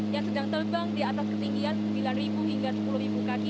yang sedang terbang di atas ketinggian sembilan hingga sepuluh kaki